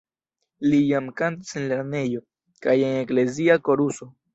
Li jam kantis en lernejo kaj en eklezia koruso.